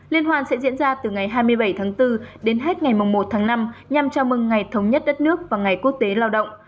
liên hoan sẽ diễn ra từ ngày hai mươi bảy tháng bốn đến hết ngày một tháng năm nhằm chào mừng ngày thống nhất đất nước và ngày quốc tế lao động